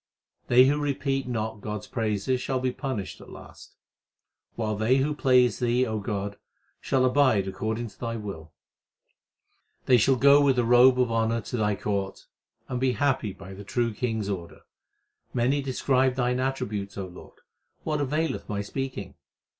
They who repeat not God s praises shall be punished at last; While they who please Thee, O God, shall abide according to Thy will : They shall go with a robe of honour to Thy court and be happy by the True King s order. Many describe Thine attributes, O Lord ; what availeth my speaking